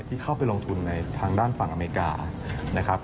ที่เข้าไปลงทุนในทางด้านฝั่งอเมริกานะครับ